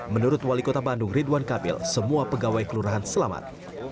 menurut wali kota bandung ridwan kamil semua pegawai kelurahan selamat